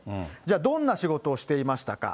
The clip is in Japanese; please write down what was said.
どんな仕事をしていましたか。